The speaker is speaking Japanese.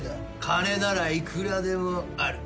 金ならいくらでもある。